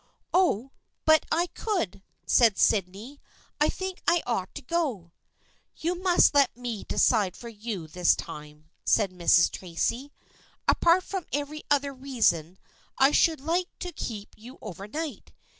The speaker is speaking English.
" Oh, but I could," said Sydney. " I think I ought to go." "You must let me decide for you this time," said Mrs. Tracy. " Apart from every other reason, I should like to keep you over night.